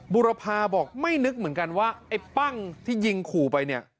บุรพาบอกไม่นึกเหมือนกันว่าไอ้ปั้งที่ยิงขู่ไปเนี่ย